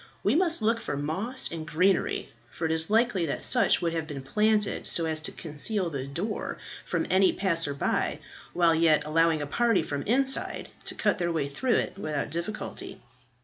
We must look for moss and greenery, for it is likely that such would have been planted, so as to conceal the door from any passer by, while yet allowing a party from inside to cut their way through it without difficulty."